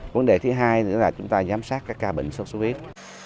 vấn đề thứ hai là chúng ta giám sát các ca bệnh xuất xuất huyết